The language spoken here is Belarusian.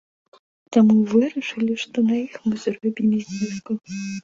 Таму вырашылі, што на іх мы зробім зніжку.